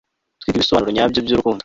twiga ibisobanuro nyabyo byurukundo